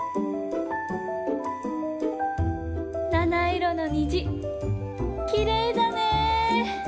７いろのにじきれいだね。